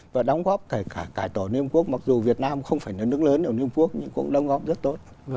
và đóng góp để cải tổ liên hiệp quốc mặc dù việt nam không phải nước lớn ở liên hiệp quốc nhưng cũng đóng góp rất tốt